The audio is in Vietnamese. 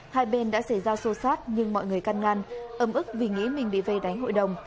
hai bên đã xảy ra xô xát nhưng mọi người căn ngăn ấm ức vì nghĩ mình bị vây đánh hội đồng